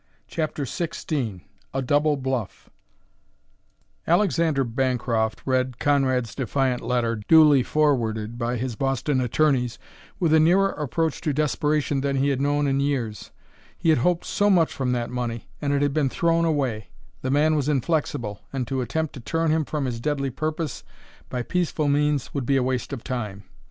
CHAPTER XVI A DOUBLE BLUFF Alexander Bancroft read Conrad's defiant letter, duly forwarded by his Boston attorneys, with a nearer approach to desperation than he had known in years. He had hoped so much from that money; and it had been thrown away! The man was inflexible, and to attempt to turn him from his deadly purpose by peaceful means would be a waste of time.